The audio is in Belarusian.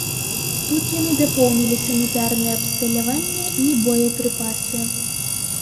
Тут яны дапоўнілі санітарнае абсталяванне і боепрыпасы.